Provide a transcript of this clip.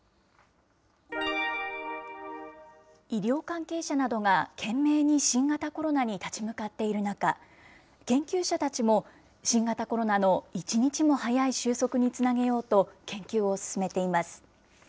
医療関係者などが懸命に新型コロナに立ち向かっている中、研究者たちも新型コロナの一日も早い収束につなげようと、研究を進めています。